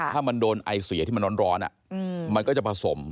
ถ้ามันโดนไอเสียที่มันร้อนมันก็จะผสม